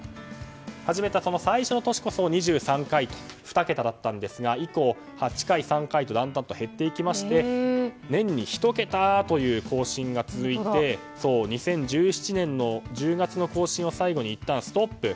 始めた最初の年こそ２３回と２桁だったんですが以降、８回３回とだんだん減っていきまして年に１桁という更新が続いて２０１７年１０月の更新を最後にいったんストップ。